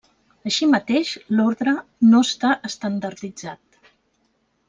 Així mateix, l'ordre no està estandarditzat.